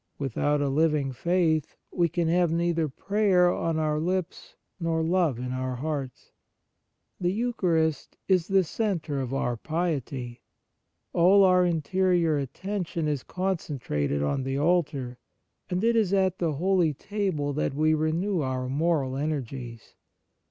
Without a living faith we can have neither prayer on our lips nor love in our hearts. The Eucharist is the centre of our piety : all our interior attention is * Heb. x. 38. 56 The Nature of Piety concentrated on the altar, and it is at the holy table that we renew our moral energies.